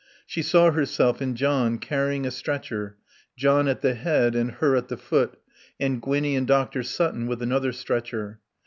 She saw herself and John carrying a stretcher, John at the head and her at the foot and Gwinnie and Dr. Sutton with another stretcher.